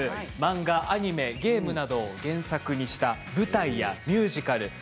漫画、アニメ、ゲームなどを原作にした舞台やミュージカル